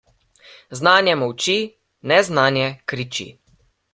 Znanje molči, neznanje kriči.